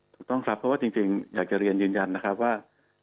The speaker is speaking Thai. ถูกต้องครับเพราะว่าจริงอยากจะเรียนยืนยันนะครับว่า